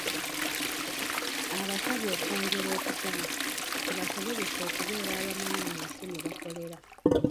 Abasabye okwongera okusoma, kibasobozese okubeera abamanyi mu nsi mwe bakolera.